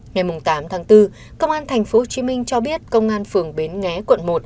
ngày tám tháng bốn công an tp hcm cho biết công an phường bến nghé quận một